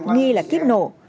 nghi là kiếp nổ